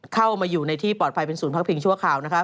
เข้ามาอยู่ในที่ปลอดภัยเป็นศูนย์พักพิงชั่วคราวนะคะ